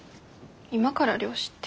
今から漁師って。